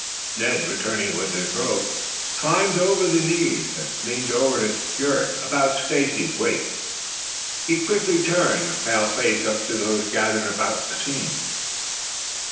Ned, returning with his rope, climbed over on the knees and leaned over to secure it about Stacy's waist. He quickly turned a pale face up to those gathered about the scene.